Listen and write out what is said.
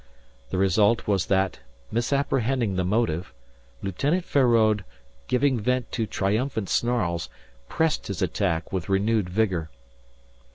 The result was that, misapprehending the motive, Lieutenant Feraud, giving vent to triumphant snarls, pressed his attack with renewed vigour.